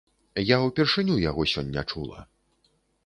Я ўпершыню яго сёння чула.